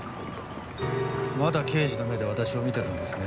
まだ刑事の目で私を見てるんですね。